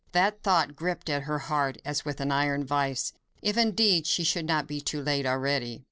That thought gripped her at the heart as with an iron vice. If indeed she should be too late already!